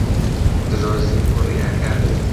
درۆزن و ڕیاکار